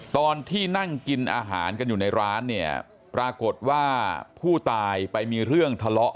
ตอนที่นั่งกินอาหารกันอยู่ในร้านเนี่ยปรากฏว่าผู้ตายไปมีเรื่องทะเลาะ